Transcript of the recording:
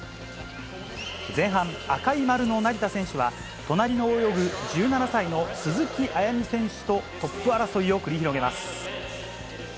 前半、赤い丸の成田選手は、隣を泳ぐ１７歳の鈴木彩心選手とトップ争いを繰り広げます。